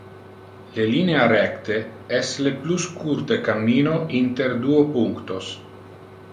Le linea recte es le plus curte cammino inter duo punctos.